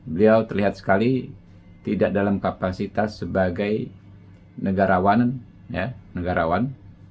beliau terlihat sekali tidak dalam kapasitas sebagai negarawan negarawan